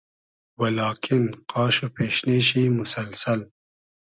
و لاکین قاش وپېشنې شی موسئلسئل